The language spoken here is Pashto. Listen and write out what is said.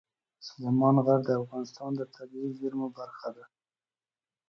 سلیمان غر د افغانستان د طبیعي زیرمو برخه ده.